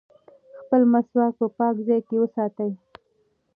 خپل مسواک په پاک ځای کې وساتئ.